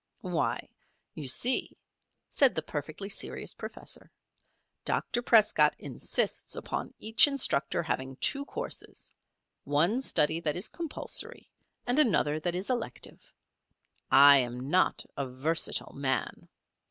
"Why, you see," said the perfectly serious professor, "Dr. Prescott insists upon each instructor having two courses one study that is compulsory, and another that is elective. I am not a versatile man.